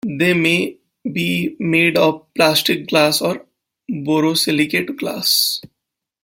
They may be made of plastic, glass, or borosilicate glass.